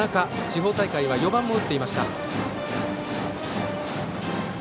地方大会は４番も打っていました。